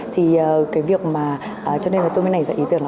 thì cái việc mà cho nên là tôi mới nảy ra ý tưởng là